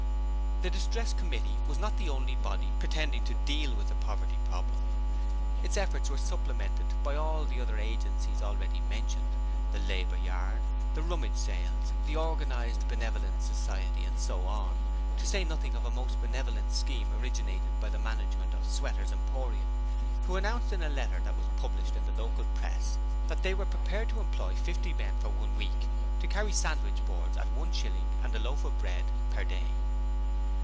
The Distress Committee was not the only body pretending to 'deal' with the poverty 'problem': its efforts were supplemented by all the other agencies already mentioned the Labour Yard, the Rummage Sales, the Organized Benevolence Society, and so on, to say nothing of a most benevolent scheme originated by the management of Sweater's Emporium, who announced in a letter that was published in the local Press that they were prepared to employ fifty men for one week to carry sandwich boards at one shilling and a loaf of bread per day.